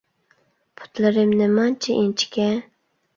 پۇتلىرىم نېمانچە ئىنچىكە؟!